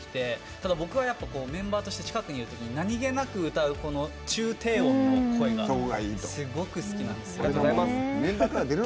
ただ、僕はメンバーとして近くにいるときに何気なく歌う中低音の声がすごく好きなんです。